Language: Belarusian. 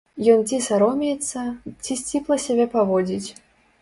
Ён ці саромеецца, ці сціпла сябе паводзіць.